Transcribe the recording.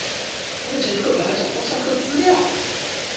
目前課表還找不到上課資料